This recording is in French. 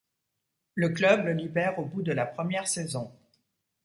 Le club le libère au bout de la première saison.